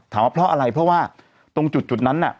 ว่าเพราะอะไรเพราะว่าตรงจุดนั้นน่ะ